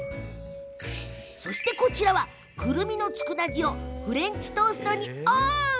こちらは、くるみのつくだ煮をフレンチトーストにオン。